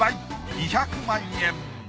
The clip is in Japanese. ２００万円。